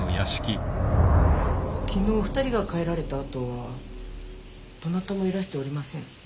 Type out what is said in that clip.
昨日２人が帰られたあとはどなたもいらしておりません。